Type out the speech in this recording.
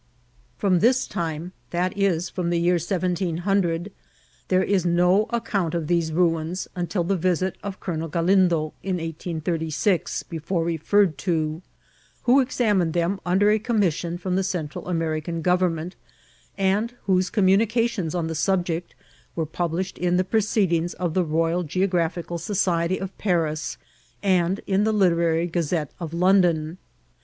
'' From this time, that is, from the year 1700, there is no account of these ruins until the visit of Colonel Ght lindo in 1886, before referred to, who examined them under a commission firom the Central American gov« ernment, and whose communications on the subject 132 INCIDBNT8 OP TRATBL. were published in the proceedings of the Royal Ged* graphical Society of Paris, and in the Literary Ghizette of London.